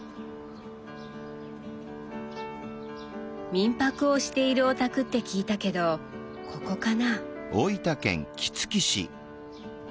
民泊をしているお宅って聞いたけどここかな？